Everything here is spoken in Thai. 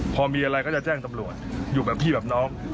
พอมีอะไรก็จะแจ้งตำรวจอยู่แบบพี่แบบน้อง